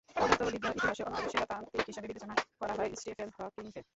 পদার্থবিদ্যার ইতিহাসে অন্যতম সেরা তাত্ত্বিক হিসেবে বিবেচনা করা হয় স্টিফেন হকিংকে।